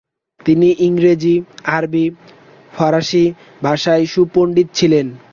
তিনি ইংরেজি, আরবি, ফরাসি ভাষায় সুপন্ডিত ছিলেন।